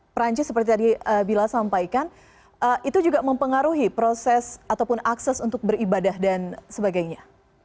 perancis seperti tadi bila sampaikan itu juga mempengaruhi proses ataupun akses untuk beribadah dan sebagainya